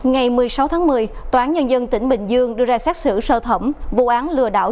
ngày một mươi sáu tháng một mươi tòa án nhân dân tỉnh bình dương đưa ra xét xử sơ thẩm vụ án lừa đảo